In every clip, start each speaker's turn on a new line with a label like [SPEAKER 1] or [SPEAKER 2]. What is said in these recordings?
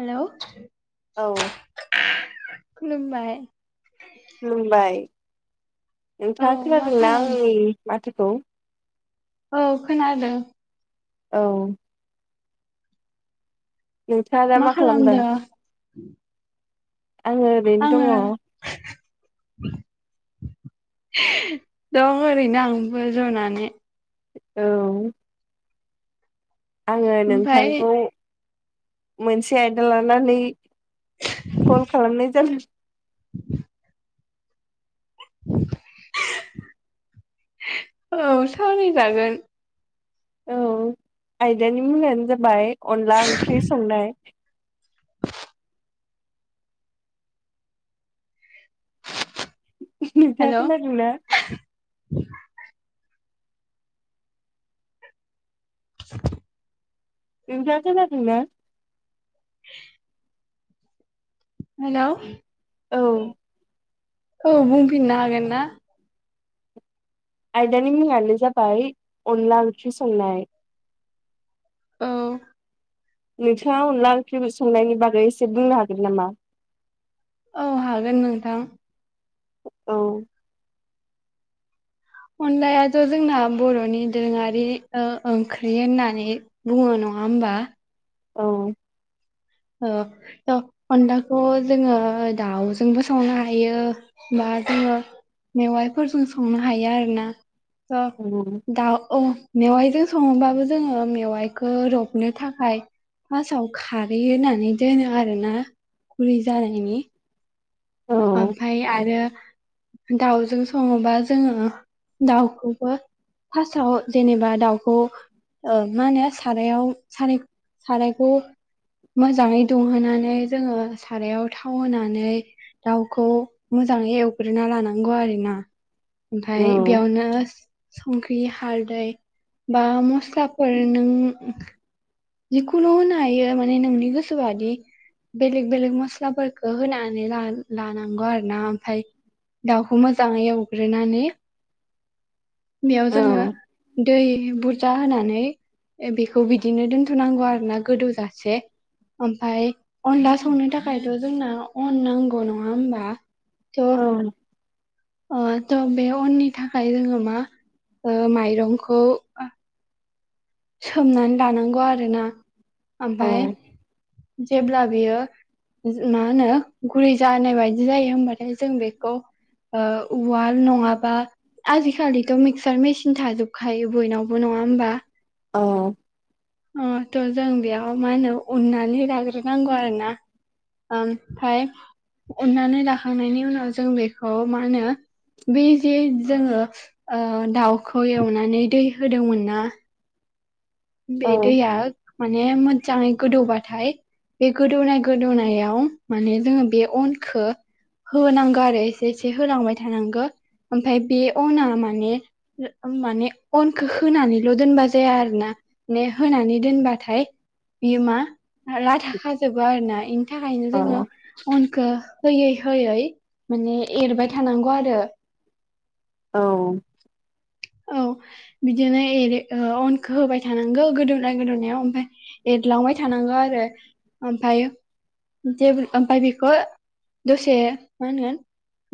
[SPEAKER 1] हेल'
[SPEAKER 2] औ
[SPEAKER 1] खलुमबाय
[SPEAKER 2] खुलुमबाय
[SPEAKER 1] औ
[SPEAKER 2] नोंथाङा
[SPEAKER 1] मा
[SPEAKER 2] खोनादोंना
[SPEAKER 1] खालाम
[SPEAKER 2] आंनि माथोखौ?
[SPEAKER 1] औ खोनादों।
[SPEAKER 2] औ नोंथाङा दा मा खालामदों? आङो ओरैनो दङ।
[SPEAKER 1] आङो दं ओरैनो आंबो जनानै।
[SPEAKER 2] औ। आङो
[SPEAKER 1] ओमफाय
[SPEAKER 2] नोंथांखौ मोनसे आयदा लानानै कल खालामनाय जादों।
[SPEAKER 1] औ सावराय जागोन।
[SPEAKER 2] औ आयदानि मुङानो जाबाय अनला ओंख्रि संनाय। नोंथाङा
[SPEAKER 1] हेलौ
[SPEAKER 2] खोनादोंना?
[SPEAKER 1] [inaudible]
[SPEAKER 2] नोंथाङा खोनादों ना
[SPEAKER 1] [unintelligible] हेल'।
[SPEAKER 2] औ।
[SPEAKER 1] औ बुंफिननो हागोन ना।
[SPEAKER 2] आयदानि मुङानो जाबाय अनला ओंख्रि संनाय।
[SPEAKER 1] औ।
[SPEAKER 2] नोंथाङा अनला ओंख्रिबो संनायनि बागै एसे बुंनो हागोन नामा।
[SPEAKER 1] औ हागोन नोंथां।
[SPEAKER 2] औ।
[SPEAKER 1] अनलायाथ' जोंना बर'नि दोरोङारि ओ ओंख्रि होननानै। बुङो नङा होमबा।
[SPEAKER 2] औ।
[SPEAKER 1] ओ अनलाखौ जोंडों दाउजोंबो संनो हायो। बा जोङो मेवायफोरजों संनो हायो आरो ना' ओ।
[SPEAKER 2] औ।
[SPEAKER 1] दाउ औ मेवाइजों संबाबो जोङो मेवाइखौ रबनो थाखाय। फार्स्टाव खारै होन्नानै दोननो आरो ना गुरै जानायनि।
[SPEAKER 2] औ
[SPEAKER 1] ओमफ्राय आरो। दाउजों सङोबा जोङो दाउखौबो। फार्स्टआव जेनेबा दाउखौ। ओ मा होनो सारायाव सा सारायखौ। मोजाङै दुंहोनानै जोङो सारायाव थाव होनानै। दाउखौ मोजाङै एवग्रोना लानांगौ आरो ना। ओमफ्राय
[SPEAKER 2] औ
[SPEAKER 1] बेयावनो। संख्रि हालदै बा मस्लाफोर नों। जिखुनु होननो हायो माने नोंनि गोसो बादि। बेलेग बेलेग मस्लाफोरखौ होनानै लानांगौ आरो ना ओमफ्राय। दाउखौ मोजाङै एवग्रोनानै। बेयाव
[SPEAKER 2] औ
[SPEAKER 1] जोङो दै बु। जा होनानै बेखौ बिदिनो दोनथ'नांगौ आरो ना गोदौजासे। ओमफाय अनला संनो थाखायथ' जोंना अन नांगौ नङा होमबा थ'। ओ थ' बे अननि थाखाय जोङो मा माइरंखौ ओ। सोमनानै लानांगौ आरोना
[SPEAKER 2] औ
[SPEAKER 1] ओमफ्राय जेब्ला बियो। मा होनो गुरै जानाय बायदि जायो हमबाथाय जों बेखौ। ओ उवाल नङाबा। आजिखालिथ' मिक्सार मेसिन थाजोबखायो बयनावबो नङा होमबा।
[SPEAKER 2] औ।
[SPEAKER 1] अ थ' जों बेयाव मा होनो उननानै लाग्रोनांगौ आरो ना। ओमफ्राय अननानै लााखांनायनि उनाव जों बेखौ मा होनो बे जे जोङो ओ दाउखौ एवनानै दै होदोंमोन ना बे
[SPEAKER 2] औ
[SPEAKER 1] दैया माने मोजाङै गोदौबाथाय बे गोदौनाय गोदौनायाव माने जोङो बे अनखौ होनांगौ आरो एसे एसे होलांबाय थानांगौ ओमफाय बे अना माने माने अनखौ होनानैल' दोनबा जाया आरो ना ने होनानै दोनबाथाय बियो मा लाथाखाजोबो आरो ना एम बेनि थाखायनो जोङो अनखो होयै होयै माने एरबाय थानांगौ आरो
[SPEAKER 2] औ
[SPEAKER 1] औ बिदिनो एरि अनखौ होबाय थानांगौ गोदौनाय गोदौनायाव ओमफ्राय एरलांबाय थानांगौ आरो ओमफाय जे ओमफाय बेखौ दसे मा होनो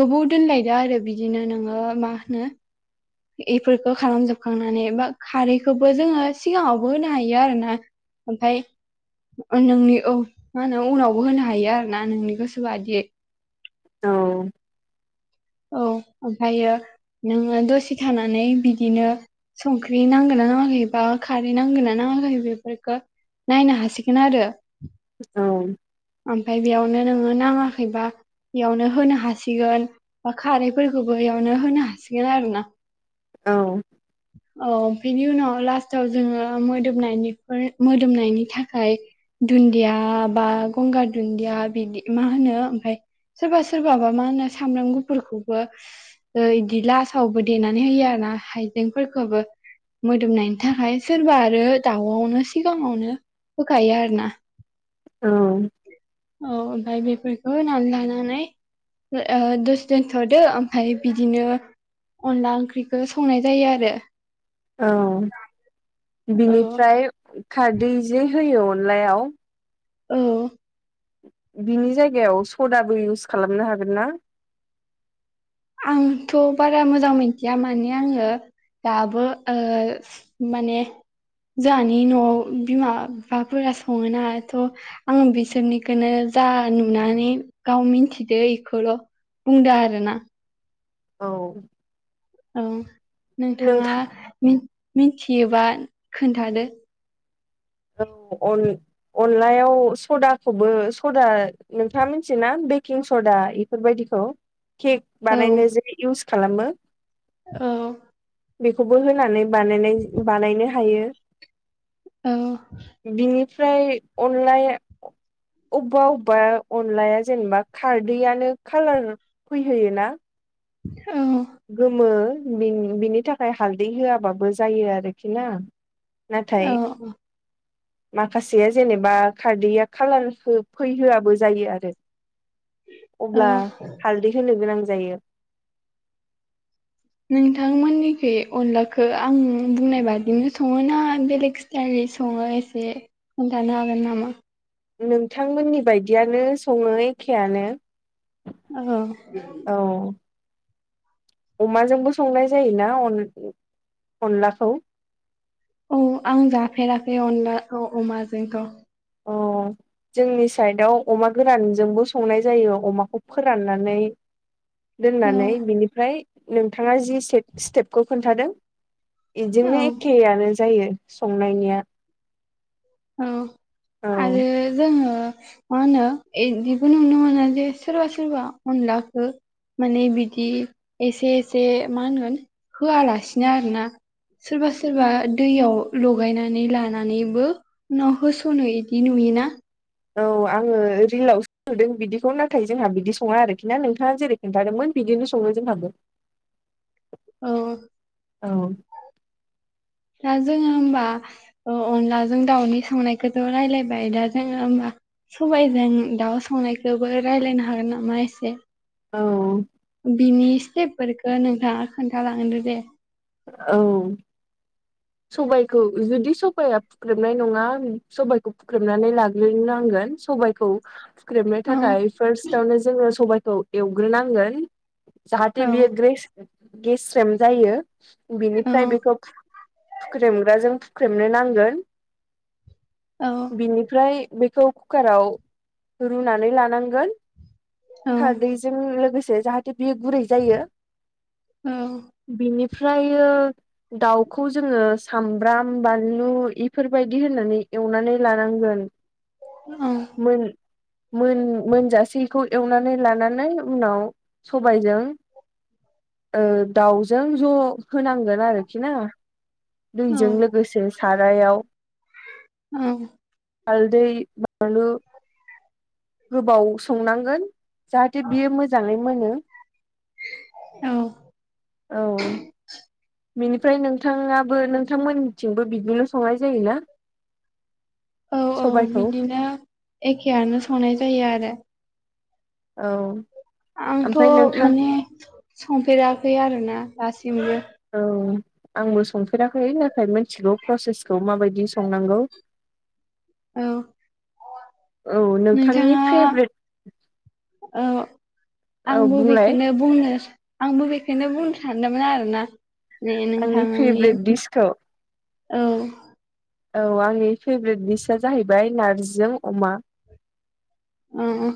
[SPEAKER 1] गोबाव दोनलायदो आरो बिदिनो नोङो मा होनो एफोरखौ खालामजोबखांनानै बा खारैखौबो जोङो सिगाङावबो होनो हायो आरो ना ओमफाय ओ नोंनि औ मा होनो उनावबो होनो हायो आरो ना नोंनि गोसो बायदियै
[SPEAKER 2] औ
[SPEAKER 1] औ ओमफ्रायो नोङो दसे थानानै बिदिनो संख्रि नांगोन ना नाङाखै बा खारै नांगोन ना नाङाखै बेफोरखो नायनो हासिगोन आरो
[SPEAKER 2] औ
[SPEAKER 1] ओमफाय बेयावनो नोङो नाङाखैबा बेयावनो होनो हासिगोन बा खारैफोरखौबो इयावनो होनो हासिगोन आरो ना
[SPEAKER 2] औ
[SPEAKER 1] औ बिनि उनाव लास्टाव जोङो मोदोमनायनिफोर मोदोमनायनि थाखाय दुन्दिया बा गंगार दुन्दिया बिदि मा होनो ओमफाय सोरबा सोरबाबा मा होनो सामब्राम गुफुरखौबो ओ इदि लासावबो देनानै होयो आरो ना हाइजेंफोरखौबो मोदोमनायनि थाखाय सोरबा आरो दाउआवनो सिगाङावनो होखायो आरो ना औ ओमफाय बेफोर होनानै लानानै ओ दसे दोनथ'दो ओमफाय बिदिनो अनला ओंख्रिखौ संनाय जायो आरो
[SPEAKER 2] औ बिनिफ्राय खारदै जे होयो अनलायाव
[SPEAKER 1] औ
[SPEAKER 2] बिनि जायगायाव सदाबो इउस खालामनो हागोन ना
[SPEAKER 1] आंथ' बारा मोजां मिथिया माने आङो दाबो ओ माने जोंहानि न'आव बिमा बिफाफोरा सङोनाथ' आं बिसोरनिखोनो जा नुनानै गाव मिथिदो इखोल' बुदो आरो ना
[SPEAKER 2] औ
[SPEAKER 1] औ नोंथाङा
[SPEAKER 2] नोंथां
[SPEAKER 1] मिन मिन्थियोबा खोन्थादो
[SPEAKER 2] औ अन अनलायाव सदाखौबो सदा नोंथाङा मिन्थियोना बेकिं सदा बेफोरबायदिखौ केक
[SPEAKER 1] औ
[SPEAKER 2] बानायनो जे इउस खालामो
[SPEAKER 1] औ
[SPEAKER 2] बेखौबो होनानै बानायनाय बानायनो हायो
[SPEAKER 1] औ
[SPEAKER 2] बिनिफ्राय अनलाया अबावबा अनलाया जेनेबा खारदैयानो कालार फैहोयोना
[SPEAKER 1] औ
[SPEAKER 2] गोमो बिनि थाखाय हालदै होआ बाबो जायो आरोखि ना।
[SPEAKER 1] औ
[SPEAKER 2] नाथाय। माखासेया जेनेबा खारदैया कालार हो फैहोआबो जायो आरो। अब्ला
[SPEAKER 1] औ
[SPEAKER 2] हालदै होनो गोनां जायो।
[SPEAKER 1] नोंथांमोननिखै अनलाखौ आं बुंनाय बादिनो सङोना बेलेग। दालि संङो एसे खनथानो हागोन नामा।
[SPEAKER 2] नोंथांमोननि बायदियानो सङो एखेआनो।
[SPEAKER 1] औ।
[SPEAKER 2] औ। अमाजोंबो संनाय जायोना अन अनलाखौ।
[SPEAKER 1] औ आं जाफेराखै अनला औ अमाजोंथ'।
[SPEAKER 2] अ। जोंनि साइदआव अमा गोरानजोंबो संनाय जायो अमाखौ फोराननानै। दोननानै बिनिफ्राय नोंथाङा जि स्टेपखौ खोन्थादों।
[SPEAKER 1] औ
[SPEAKER 2] इजोंनो एखेयानो जायो संनायनिया।
[SPEAKER 1] औ
[SPEAKER 2] औ
[SPEAKER 1] आरो जोङो। मा होनो [unintelligible] नुनो मोनो जे सोरबा सोरबा अनलाखो। माने बिदि एसे एसे मा होनगोन होआलासिनो आरोना। सोरबा सोरबा दैयाव लगायनानै लानानैबो। उनाव होसनो इदि नुयोना।
[SPEAKER 2] औ आङो रिलावसो सुदों बिदिखौ नाथाय जोंहा बिदि सङा आरोखि ना नोंथाङा जेरै। खोनथादोंमोन बिदिनो संङो जोंहाबो।
[SPEAKER 1] औ।
[SPEAKER 2] औ।
[SPEAKER 1] दा जोङो होनबा। ओ अनलाजों दाउनि संनायखौथ' रायलायबाय दा जोङो होमबा। सबायजों दाउ संनायखौबो रायलायनो हागोन नामा एसे।
[SPEAKER 2] औ
[SPEAKER 1] बिनि स्टेपफोरखौ नोंथाङा खोन्थालांदो दे।
[SPEAKER 2] औ। सबाइखौ जुदि सबाया। फुख्रेबनाय नङा सबायखौ फुख्रेबनानै लाग्रोबनांगोन सबायखौ। हुख्रेबनो
[SPEAKER 1] औ
[SPEAKER 2] थाखाय फार्स्टावनो जोङो सबायखौ एवग्रोनांगोन। जाहाथे
[SPEAKER 1] औ
[SPEAKER 2] बियो ग्रेस गेस्रेम जायो
[SPEAKER 1] औ
[SPEAKER 2] बिनिफ्राय बेखौ। फुख्रेमग्राजों फुख्रेमनो नांगोन
[SPEAKER 1] औ
[SPEAKER 2] बिनिफ्राय बेखौ। कुकाराव रुनानै लानांगोन खारदैजों लोगोसे जा। थे बेयो गुरै जायो।
[SPEAKER 1] औ।
[SPEAKER 2] बिनिफ्राय दाउखौ। खौ जोङो सामब्राम बानलु इफोरबायदि होननानै एवनानै लानांगोन। [unintelligible]
[SPEAKER 1] औ।
[SPEAKER 2] मोन। मोन मोनजासेखौ एवनानै लानानै उनाव सबायजों। ओ दाउजों ज' होनांगोन आरोखि ना। दैजों लोगोसे सारायाव।
[SPEAKER 1] उम।
[SPEAKER 2] हालदै बानलु गोबाव संनांगोन। जाहाथे बियो मोजाङै मोनो
[SPEAKER 1] औ
[SPEAKER 2] औ बिनिफ्राय नोंथाङाबो नोंथांमोननिथिंबो बिदिनो संनाय जायोना?
[SPEAKER 1] औ औ
[SPEAKER 2] सबायखौ
[SPEAKER 1] बिदिनो एखेयानो संनाय जायो आरो।
[SPEAKER 2] औ
[SPEAKER 1] आंथ'
[SPEAKER 2] ओमफ्राय नोंथां
[SPEAKER 1] माने संफेराखै आरोना दासिमबो।
[SPEAKER 2] औ आंबो संफेराखै नाथाय मिथिगौ प्रसेसखौ माबायदि संनांगौ। [inaudible]
[SPEAKER 1] औ
[SPEAKER 2] औ नोंथांनि
[SPEAKER 1] नोंथाङा
[SPEAKER 2] फेभ्रेट
[SPEAKER 1] ओ
[SPEAKER 2] औ
[SPEAKER 1] आंबो
[SPEAKER 2] बुंलाय
[SPEAKER 1] बेखोनो बुंनो आंबो बेखौनो सानदोंमोन आरोना। ने
[SPEAKER 2] आंनि
[SPEAKER 1] नोंथांनि
[SPEAKER 2] फेभ्रेट दिसखौ
[SPEAKER 1] औ
[SPEAKER 2] औ आंनि फेभ्रेट दिसआ जाहैबाय नारजिजों अमा
[SPEAKER 1] ओ ओ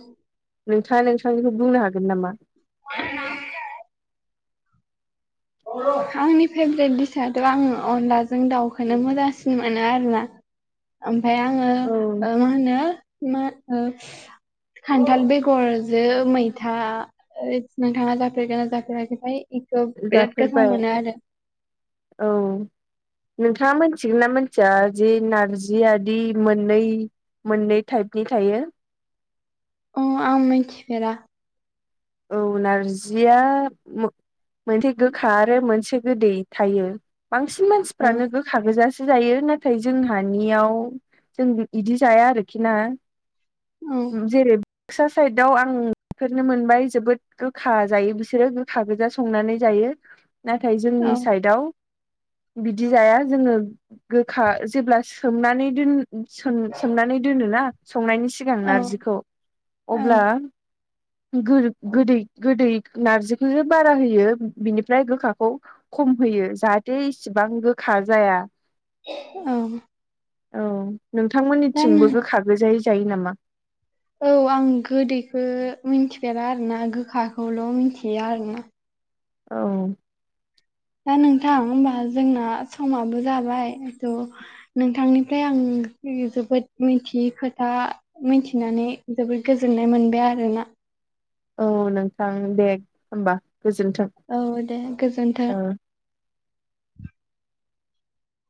[SPEAKER 2] नोंथाङा नोंथांनिखौ बुंनो हागोन नामा?
[SPEAKER 1] [unintelligible] आंनि फेभरेट दिसाथ' आङो अनलाजों दाउखौनो मोजांसिन मोनो आरोना।
[SPEAKER 2] [inaudible]
[SPEAKER 1] ओमफाय आङो
[SPEAKER 2] औ
[SPEAKER 1] मा होनो मो ओ खान्थाल बेगरजो मैथा ओयद नोंथाङा जाफेरगोना जाफेराखैथाय इखौ
[SPEAKER 2] जाफेरबाय औ नोंथाङा मिथिगोन ना मिथिया जे नारजिआदि मोननै मोननै टाइपनि थायो।
[SPEAKER 1] अ आं मिथिफेर
[SPEAKER 2] औ नारजिया मो मोनसे गोखा आरो मोनसे गोदै थायो बांसिन
[SPEAKER 1] औ
[SPEAKER 2] मानसिफ्रानो गोखा गोजासो जायो नाथाय जोंहानियाव जोंबि इदि जाया आरोखि ना।
[SPEAKER 1] औ
[SPEAKER 2] जेरै क्सा साइदव आं बेफोरनो मोनबाय जोबोद गोखा जायो बिसोरो गोखा गोजा संनानै जायो। नाथाय
[SPEAKER 1] औ
[SPEAKER 2] जोंनि साइडआव बिदि जाया जोङो गोखा जेब्ला सोमनानै दोन सोमनानै दोनोना संनायनि सि सिगां
[SPEAKER 1] औ
[SPEAKER 2] नारजिखौ
[SPEAKER 1] औ
[SPEAKER 2] अब्ला गोर गोदै गोदै नारजिखौसो बारा होयो बिनिफ्राय गोखाखौ खम होयो जाहाथे इसिबां गोखा जाया।
[SPEAKER 1] ओं
[SPEAKER 2] औ
[SPEAKER 1] नों
[SPEAKER 2] नोंथांमोननिथिंबो गोखा गोजायै जायो नामा?
[SPEAKER 1] औ आं गोदैखो मिथिफेरा आरोना गोखाखौल' मिथियो आरोना।
[SPEAKER 2] औ
[SPEAKER 1] दा नोंथां होमबा जोंना समाबो जाबाय थ नोंथांनिफ्राय आं जोबोद मिथियै खोथा मोनथिनानै जोबोद गोजोननाय मोनबाय आरोना।
[SPEAKER 2] औ नोंथां देग होमबा गोजोनथों।
[SPEAKER 1] औ दे गोजोन्थों।